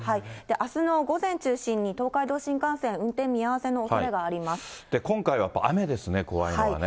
あすの午前を中心に、東海道新幹線、運転見合わせのおそれが今回は雨ですね、怖いのはね。